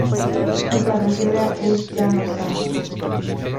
Su cabecera es Llano Sánchez.